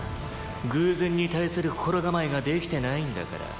「偶然に対する心構えができてないんだから」